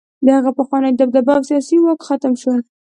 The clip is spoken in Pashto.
د هغوی پخوانۍ دبدبه او سیاسي واک ختم شو.